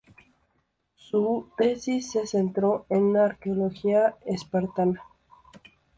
Su tesis se centró en la arqueología espartana.